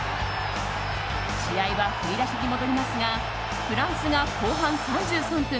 試合は振り出しに戻りますがフランスが後半３３分。